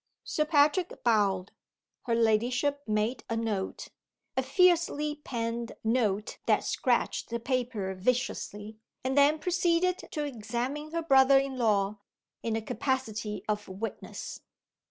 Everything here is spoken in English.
Sir Patrick bowed. Her ladyship made a note a fiercely penned note that scratched the paper viciously and then proceeded to examine her brother in law, in the capacity of witness.